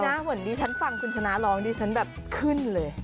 จริงนะเหมือนดิฉันฟังคุณชนะโรงดิฉันแบบขึ้นเลย